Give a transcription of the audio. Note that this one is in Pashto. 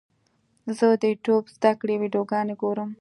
زه د یوټیوب زده کړې ویډیوګانې ګورم.